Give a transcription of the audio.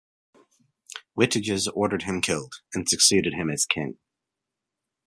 Witiges ordered him killed, and succeeded him as king.